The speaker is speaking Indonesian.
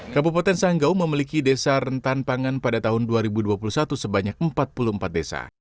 kabupaten sanggau memiliki desa rentan pangan pada tahun dua ribu dua puluh satu sebanyak empat puluh empat desa